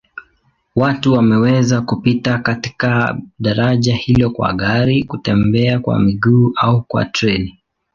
Watu wanaweza kupita katika daraja hilo kwa gari, kutembea kwa miguu au kwa treni.